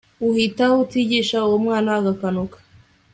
uhita utigisa uwo mwana agahanuka